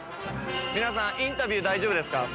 皆さんインタビュー大丈夫ですか？